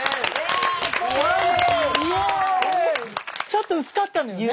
ちょっと薄かったのよね。